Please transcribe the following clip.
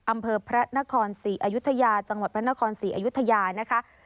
อำเภอพระนครศรีอยุธยาจังหวัดพระนครศรีอยุธยานะคะ